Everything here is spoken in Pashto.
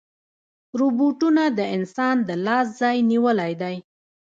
روبوټونه د انسان د لاس ځای نیولی دی.